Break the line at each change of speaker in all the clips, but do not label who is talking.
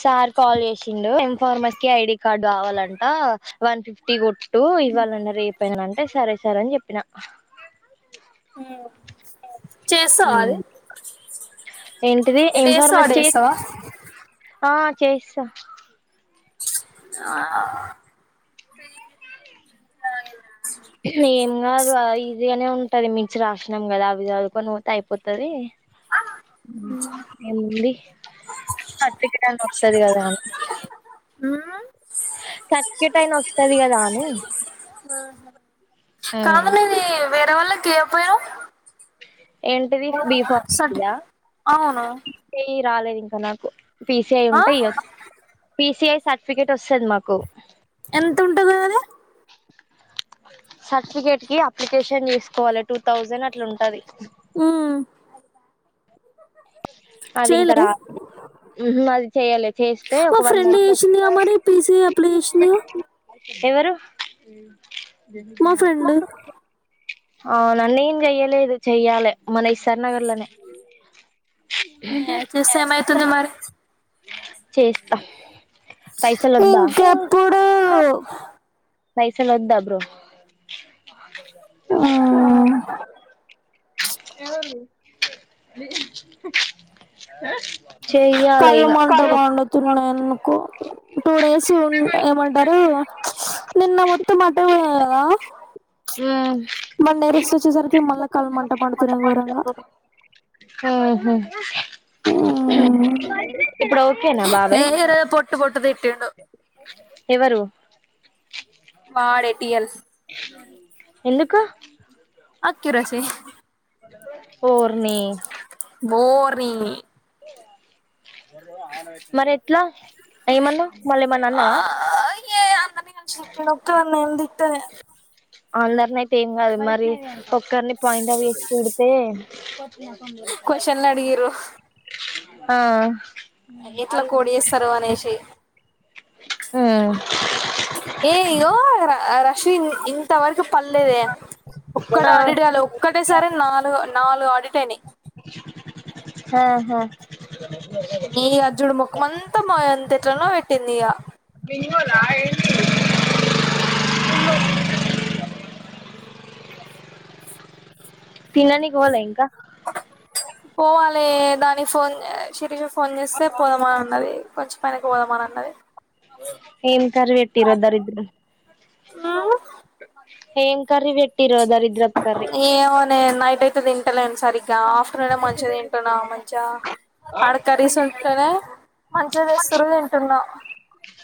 Sir call చేసిండు ఇన్ఫార్మస్ కి ఐడి కార్డు కావాలంటే ఆ వన్ ఫిఫ్టీ గోటి టూ ఇవ్వాలన రేపయిన అంటే సరే సార్ అన్ చే పిన
ఉమ్ చేసావా అది
ఏంటిది
ఎట్ట
ఎం
చేస్తావ్
ఫార్మసీ
అట్ట
చే
చేస్తావా
ఆ చేస్తా
ఆ అ
ఏం గాదు ఆ ఈజీగానే ఉంటది మించి రాశినాం గదా అవి చదుకొని పోతే అయిపోతది ఎంది సర్టిఫికెట్ అన్నా వస్తది కదా అని
ఆ
కట్కిట్ అయిన వస్తది కదా అని
ఆ కావాలని వేరే వాళ్ళ కిపోయేనావ్
ఏంటిది బి ఫార్మసీ ఆ
అవును
ఎ రాలేదు ఇంకా నాకు పిసిఐ
ఆ
ఉంటాయి ఇగ పిసిఐ సర్టిఫికెట్ వస్తది మాకు
ఎంత ఉంటదె అదె
సర్టిఫికెట్ కి అప్లికేషన్ చేసుకోవాలి టూ థౌజండ్ అట్లా ఉంటది
ఉమ్
అది ఇంక రా ఊహు అది చేయాలి చేస్తే
మా
ఒక వన్
ఫ్రెండ్
మంత్
చేసిందిగా మరి పీసీ అప్లై
కి
చేసిందిగా
[inaudible] ఎవరు
మా ఫ్రెండ్
[unintelligible] ఆ నన్నేం చెయ్యలేదె చెయ్యాలె మన ఎస్సార్ నగర్ లోనే
చూస్తే ఏమయితుంది మరి
చేస్తా పైసలు వద్దా
ఇంకెప్పుడు
పైసల్ వద్ద బ్రో ఆ
మ్మ్.
ఎవరిది మీ హ
కళ్ళ మంట మండుతున్నాయ్ ఎందుకో టూ డేస్ ఉన్ ఏమంటారు నిన్న మొత్తం ఆ కదా
మ్మ్
[unintelligible] కాళ్ళు మంట మండుతుంది గోరంగా
ఉహు ఇప్పుడు ఓకేనా
ఏ
బాబాయ్
ఈరోజు పొట్టు పొట్టు తిట్టిండు
ఎవరు
వాడె టియల్
ఎందుకు
అక్కి రసే
అ ఓర్ని
ఓర్నీ
మరి ఎట్లా ఏమన్నావ్ మళ్ళీ ఏమన్నా
ఆ
అన్నావా
ఏయ అన్న భ చట్ ఒ వన్నంది [unintelligible] తే
అందరిని అయితే ఏం కాదు మరి ఒక్కరిని పాయింట్ అప్ చేసి కొడితే
క్వశన్లలు అడిగిరు
ఆ
ఎట్లా కోడి చేస్తారు అనేసి
ఆ
ఏల్లో చీ ఇంత వరకు పల్లేదే ఒక్క ఆడిట్ వల్లు ఒక్కటే సరే నాలుగు నాలుగు ఆడిట్ పని
హాహా
నీ అర్జునుడి ముఖంమంతా మాయం [unintelligible] తట్న పెట్టింది ఇక
తినానికి పోల ఇంకా
పోవాలి దాని ఫోన్ స్పీడ్ గొస్త్ ఫోన్ చేస్తే పోదామ్ ఉన్నది కొంసేపుకి పోదామని ఉన్నది
ఏం కర్రీ పెట్టిరో
నువ్వు
ఏమ్
ఏమోనే నైట్ అయితే తింటలేను సరిగ్గా ఆఫ్టర్నూనే మంచిగా తింటున్నా మంచ ఆడ కరీస్ ఉంటేనే మంచిగా చేస్తురు తింటున్నా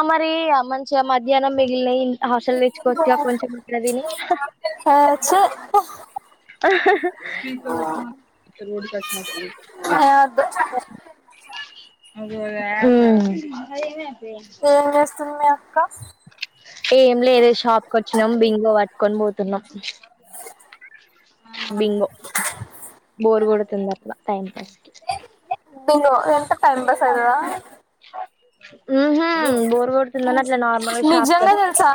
అ మరి ఆ మంచ్ కొంచెం మధ్యాహ్నం మిగిలిన హాస్టల్ తెచ్చుకోవచ్చుగా కొంచెం అట్లా తిని
చే ఆహ్
హ హ
వద్దు
అదే అదే [inaudible]
ఏం చేస్తుంది ఆ అక్క
ఏం లేదే షాప్ కి వచ్చినం బింగో పట్టుకొని పోతున్నాం బింగో బోర్గోడ్ తుందట్ల టైం పాస్ కి
[unintelligible] ఎంత టైమ్ పాస్ అయితదా
స నార్మల్గా షాప్ కి
నిజంగా తెలుసా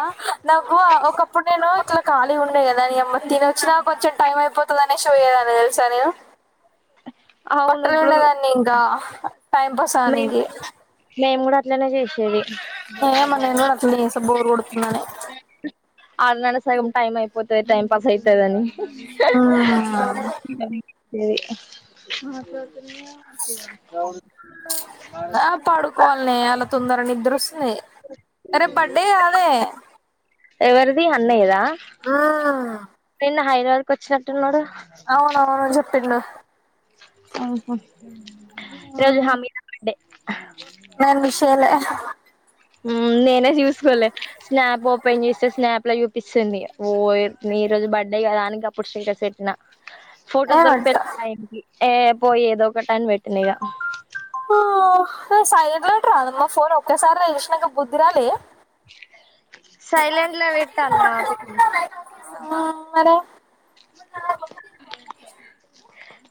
నాకు ఒకప్పుడు నేను ఇట్లా ఖాళీ వుండే కదా నీ అమ్మ తిన వచ్చినా వచ్చిన టైం అయిపోతదని చోయదన్ని తెలుసా నేను
అవును
బట్టల
ఇప్పుడు
పిండేదాన్ని ఇంకా టైం పాస్
మేము
ఆవానికి
మేము కూడా అట్లనే చేసేది
ఏమో నేను కూడా అట్లన్నే చేస్తా బోరు కొడుతుందాని
ఆనన్నగా సగం టైం అయిపోతది టైం పాస్ ఐతదని ఆ ఇంగ మీకీ ఇది అవును
ఆ పాడుకోవాలని అలా తొందర నిద్ర వస్తుంది రేపు బర్డే కాదే
ఎవరిది అన్నయదా
మ్మ్
నిన్న హైదరాబాద్ కు వచ్చినట్టున్నాడు
అవునువును చెప్పిండు
హ్మ్ హు ఈరోజు హమీద బర్త్డే హ్
నాన్ విష్ చేయలే
నేనే చూసుకోలే స్నాప్ ఓపెన్ చేస్తే స్నాప్ లో చూపిస్తుంది ఓ ఈ రోజు బర్త్డే గదాని గప్పుడు స్టేటస్ పేట్టిన ఫోటో
ఏమంట
దరుకుతది టైం కి ఏ పోయి ఏదో ఒక టన్ పేట్నీఇగా
హ ఆ సైడ్లేట్ రా మా ఫోన్ ఒకసారి చేసినాక బుద్ధిరాలే
సైలెంట్లా పెట్టాల పెట్టిన
ఆ హలో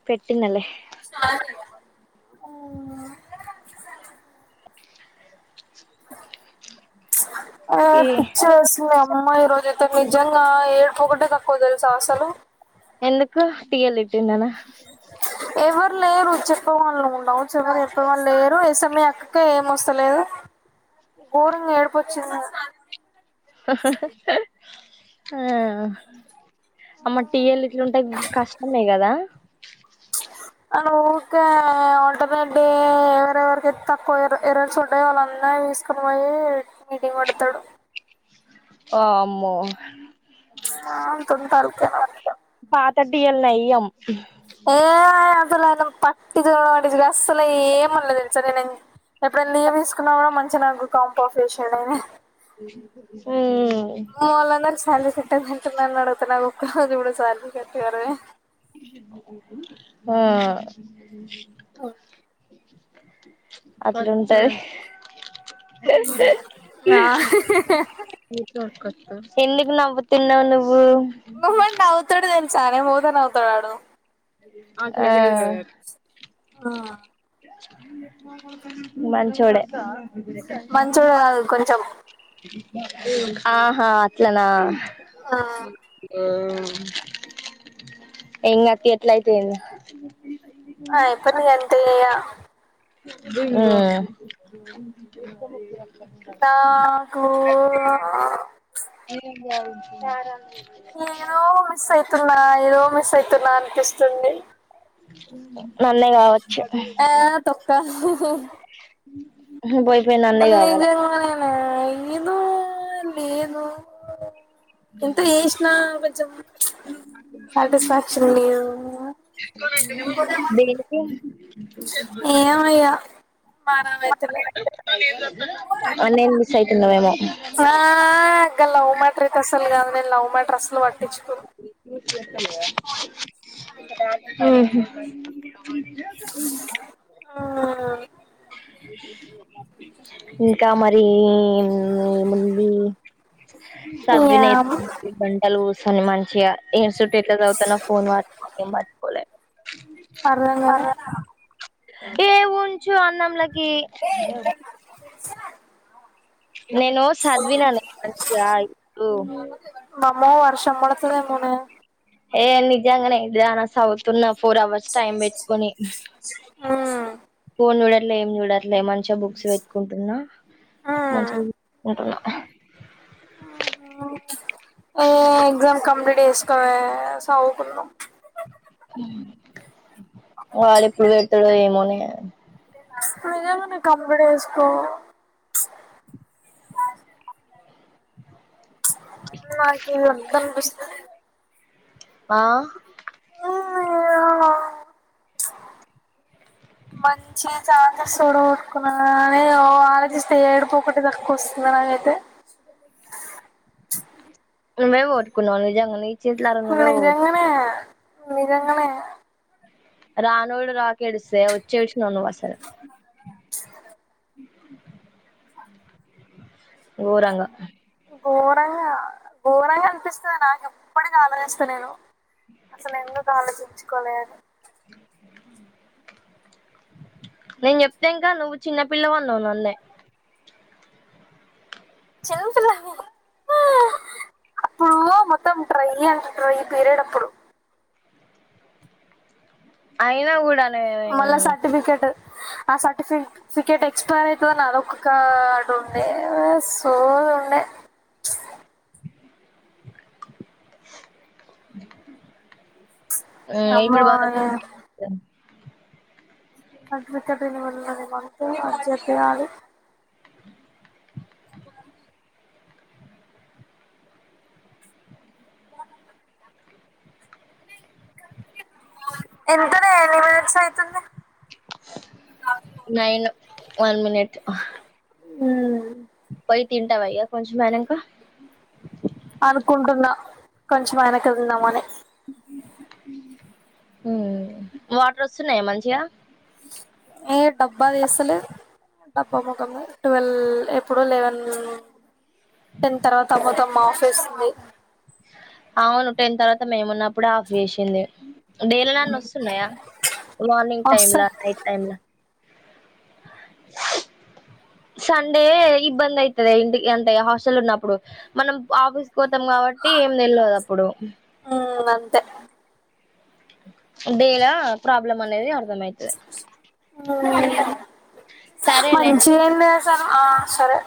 పెట్టినలే
ఆ
ఆ
ఆ పిచిలేస్తుందే అమ్మ ఈరోజుయితే నిజంగా ఏడుపు ఓకటే తక్ కూదేల్ సా అసలు
ఎందుకు టీ ఏల్ తిట్టిందనా
ఎవర్ లేరు చెప్పేవాళ్ళు ఉండవు చె ఎవరు చెప్ప వాళ్ళు లేరు స్ఎమ్ఏ అక్కకి ఏం వస్తలేదు గోరంగా ఏడిపోచ్చింది
హహ ఆ అమ్మా టీఎల్ ఇట్లుంటే కష్టమే కదా
అన ఊరికే ఆల్టర్నేట్ డే ఎవరెవరికిైతే తక్కువ ఎరస్ ఉంటాయో వాళ్ళంద తీసుకొని పోయి మీటింగ్ పెడతాడు
వామ్మో
ఆ తుంటా అరుకేనా
తట్టిల్ నయ్యం
ఏ అదల పట్టి చ అడి అస్సలు ఏం అనలే తెలుసా నేన్ ఎప్పుడన్న లీవ్ తీకున్నా కూడా మన్ చ్చినకు కం
ఉ
వల్లనారు సాలరీ కట్ అయిందని అంటున్నాడు నది ఒక్కసారి కూడా సాలరీ కట్ కాలేదే
ఆ
ఓ
అట్లుంటది ఏ
నా
వక ఎందుకు నవ్వుతున్నావు నువ్వు
మమల్ని నవుతాడు తెల్సా చా నేన్ వోతే నవుతాడు ఆడు
ఆ
ఆ
మంచోడే
మంచోడు కాదు కొంచెం
ఆహా అట్లనా
ఆ
ఉ ఇంగ్ అట్లా ఎట్ల అయితది ఇంగ
ఆ ఏప్పుడు నీ ఎంత చేయ
ఉ
నాకు బా
సారా.
ఏదో అస్సల్ తున్న ఏదో మిస్ అయితున్నా అనిపిస్తుంది.
నన్నేగావ
ఆ తొక్క.
పోయి పోయి నన్నే కావాల
నిజమేనేనే నేను నేను ఎంత చేసినా కొంచం సాటిస్ఫాక్షన్ ఉండదు కదా.
దేనికి
మారం అయితలే
అన్నయ్యను మిస్ అయితున్నావేమో.
ఆ ఇంకా లవ్ మ్యాటర్ అయితే అసలు కాదు నేను లవ్ మ్యాటర్ అసలు పట్టించుకొను.
ఉ హు. [inaudible]
ఆ.
ఇంకా మరి ఏం ఏముంది. సద్వినై
యామ్
గంటలు. కానీ మంచిగా ఏం సుట్ చదువుతన్నో ఫోన్ పట్టుకోలే ఏమ్ పట్టుకోలే.
అర్ధంకాలే
ఏవు చు అన్నంల ఏ నేను సద్విననే మంచిగా ఇపు
మో వర్షం పడతాదేమోనే.
ఏ నిజంగానే ఎడ్డీదానా చదువుతున్నాం ఫోర్ అవర్స్ టైమ్ పెట్టుకొని ఫోన్ చూడ ఏం చూడట్లే మన్. చి బుక్స్ పెట్టుకుంటున్నా మంచినీళ్ళు పెట్టుకుంటున్న.
ఏ ఎగ్జామ్ కంప్లీట్ చేసుకోవే సావుకుందాం.
వాడు ఎప్పుడు పెడతాడో ఏమోనే.
స్పీడుగా నన్నా కంప్లీట్ చేసుకో. నాకిది ఒద్దనిపిస్తుంద్.
ఆ
అయ్యో మంచి ఛాన్సెస్ చూడగొట్టుకున్నా అని ఓ ఆలోచిస్తే ఏడుపు ఒకటి తక్కువ వస్తది నాకైతే
మేం పోగొట్టుకున్న నిజంగానే
నిజంగానే నిజంగానే
రానోడు రాక ఏడిస్తే వచెస్ నను ఒసారి గోరంగా
ఘోరంగా ఘోరంగా అనిపిస్తది నాకు ఎప్పటికి ఆలోచస్తా నేను అసలు ఎందుకు ఆలోచించి కోలె
నేను చెప్తాంకా నువ్వు చిన్న పిల్లవన్నవు నన్నే
చదువుతున్నానే హా మొత్తం ట్రై అంట ట్రై పీరియడ్ అప్పుడు
అయినా కూడా నే
మళ్ళా సర్టిఫికెట్ ఆ సర్టిఫటిఫికెట్ ఎక్స్పైర్ అవుతు నా అదొ కాటి ఉండే సో ఉండే
మ్ ఇప్పుడు బాగా
ఏమోనే అద్భతిని వె మంత అ చేయాలి ఇడి ఎంతనే ఎన్ని మినిట్స్ అయితుంది
నైను వన్ మనిట్
హు
పై తింటావా అయ్యా కొంచెం అయినాక
అనుకుంటున్నా కొంచెం అయినాక తిందాం అని
హ్మ్ వాటర్ వస్తున్నాయా మంచిగా
ఏ డబ్బా తీస్తలే డబ్బా ముఖమ ట్వెల్వ్ ఎప్పుడు లెవెన్ టెన్ తర్వాత మొత్తం మా ఆఫీస్ వి
అవును టెన్ తర్వాత మేము ఉన్నప్పుడు ఆఫ్ చేసింది డేల నన్న వస్తున్నాయా మార్నింగ్ టైమ్లా
వస్తాయి
నైట్ టైమ్లా సండే ఇబ్బంది అయితదే ఇంటి అంటే హాస్టల్ ఉన్నప్పుడు మనం ఆఫీస్ పోతాం కాబట్టి ఏం తెల్వదు అప్పుడు
ఉ అంతే
డేలా ప్రాబ్లమ్ అనేది అర్ధ మ అయితది
[unintelligible] మంచిగేం లేద్ ఆ సరే